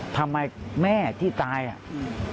ทำไมแม่ที่ตายอ่ะ